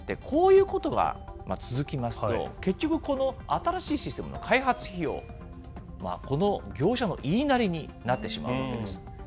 こういうことが続きますと、結局この新しいシステムの開発費用、この業者の言いなりになってしまうわけです。